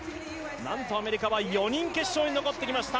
なんとアメリカは４人決勝に残ってきました。